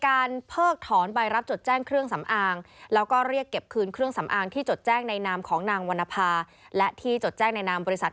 เพิกถอนใบรับจดแจ้งเครื่องสำอางแล้วก็เรียกเก็บคืนเครื่องสำอางที่จดแจ้งในนามของนางวรรณภาและที่จดแจ้งในนามบริษัท